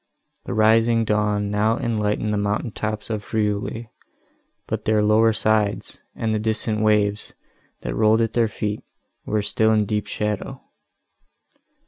The rising dawn now enlightened the mountain tops of Friuli, but their lower sides, and the distant waves, that rolled at their feet, were still in deep shadow.